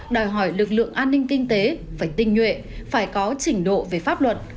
đòi hỏi lực lượng an ninh kinh tế phải tinh nhuệ phải có trình độ về pháp luật